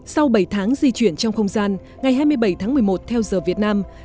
sau bảy tháng di chuyển trong không gian ngày hai mươi bảy tháng một mươi một theo giờ việt nam